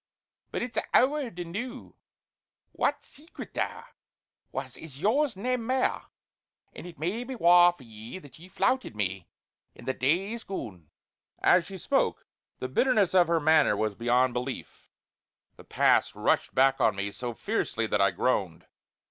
But it's a' ower the noo. What secret there was is yours nae mair; an' it may be waur for ye that ye flouted me in the days gone." As she spoke, the bitterness of her manner was beyond belief; the past rushed back on me so fiercely that I groaned.